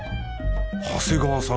長谷川さん